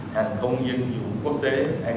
hàng không dân dụng quốc tế